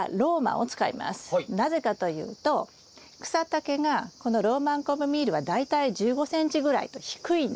なぜかというと草丈がこのローマンカモミールは大体１５ｃｍぐらいと低いんです。